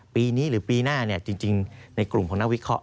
ปีนี้หรือปีหน้าจริงในกลุ่มของนักวิเคราะ